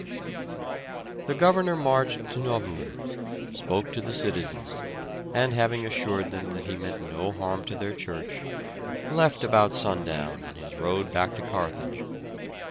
The governor marched to Nauvoo, spoke to the citizens, and, having assured them that he meant no harm to their church, left about sundown on his road back to Carthage.